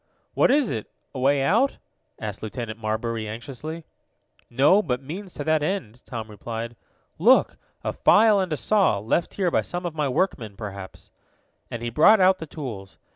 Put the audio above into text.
"What is it a way out?" asked Lieutenant Marbury anxiously. "No, but means to that end," Tom replied. "Look, a file and a saw, left here by some of my workmen, perhaps," and he brought out the tools.